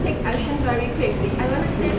เพราะว่าพวกมันต้องรักษาอินเตอร์